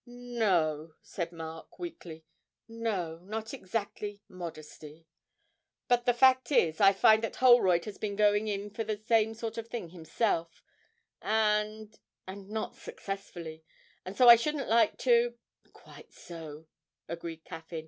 'No,' said Mark, weakly, 'no; not exactly modesty; but, the fact is, I find that Holroyd has been going in for the same sort of thing himself, and and not successfully; and so I shouldn't like to ' 'Quite so,' agreed Caffyn.